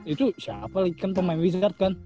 itu siapa lagi kan pemain wizard kan